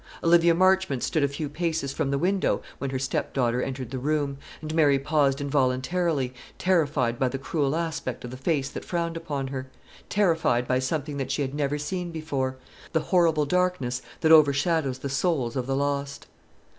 Olivia Marchmont stood a few paces from the window when her stepdaughter entered the room, and Mary paused involuntarily, terrified by the cruel aspect of the face that frowned upon her: terrified by something that she had never seen before, the horrible darkness that overshadows the souls of the lost.